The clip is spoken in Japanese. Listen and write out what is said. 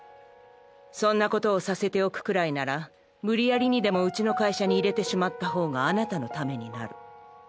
そんなことをさせておくくらいなら無理やりにでもうちの会社に入れてしまった方があなたのためになる。